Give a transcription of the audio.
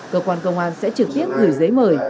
cơ quan công an sẽ trực tiếp gửi giấy mời